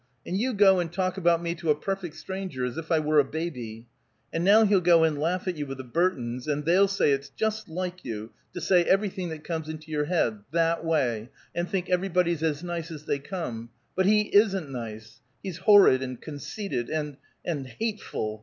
And you go and talk about me to a perfect stranger as if I were a baby. And now he'll go and laugh at you with the Burtons, and they'll say it's just like you to say everything that comes into your head, that way, and think everybody's as nice as they seem. But he isn't nice! He's horrid, and conceited, and and hateful.